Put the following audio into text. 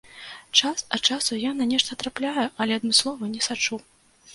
Час ад часу я на нешта трапляю, але адмыслова не сачу!